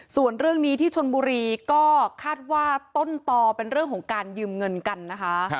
ส่วนเรื่องนี้ที่ชนบุรีก็คาดว่าต้นตอเป็นเรื่องของการยืมเงินกันนะคะ